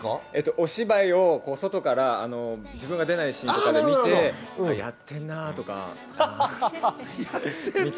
お芝居を外から自分から出ないシーンを見て、やってんなぁ！って。